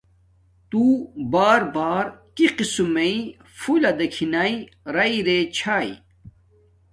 تو بار بار کی قسم میݵ پھولہ دیکھی ناݵ رای رے چھاݵ